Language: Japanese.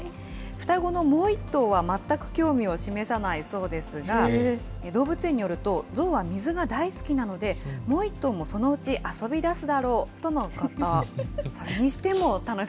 双子のもう１頭は全く興味を示さないそうですが、動物園によると、ゾウは水が大好きなので、もう１頭もそのうち遊びだすだろうとのこと。